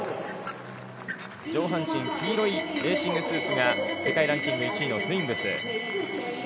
上半身が黄色いレーシングスーツが世界ランキング１位のスウィングス。